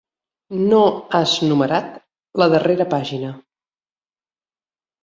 No has numerat la darrera pàgina.